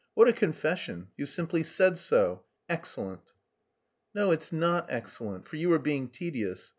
What a confession! You simply said so. Excellent." "No, it's not excellent, for you are being tedious.